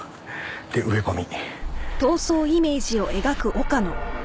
で植え込み。